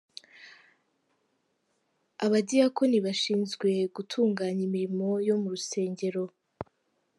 Abadiyakoni bashinzwe gutunganya imirimo yo mu rusengero.